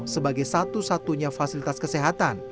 sebagai satu satunya fasilitas kesehatan